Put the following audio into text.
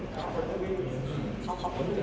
เขาพลลูก